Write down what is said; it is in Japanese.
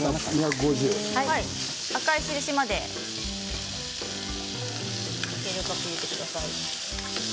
赤い印まで入れてください。